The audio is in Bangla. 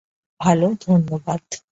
ভালো, ধন্যবাদ।